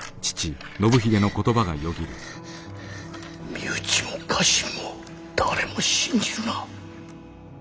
身内も家臣も誰も信じるな。